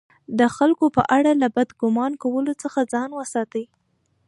د خلکو په اړه له بد ګمان کولو څخه ځان وساتئ!